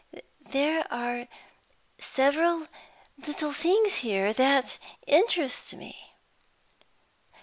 "There are several little things here that interest me.